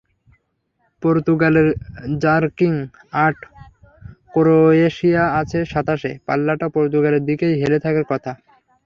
পর্তুগালের র্যাঙ্কিং আট, ক্রোয়েশিয়া আছে সাতাশে, পাল্লাটা পর্তুগালের দিকেই হেলে থাকার কথা।